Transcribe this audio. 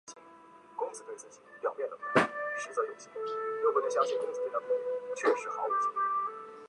砂拉越州元首是马来西亚砂拉越州仪式上的州最高元首。